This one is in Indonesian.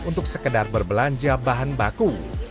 untuk sekedar berbelanja bahan baku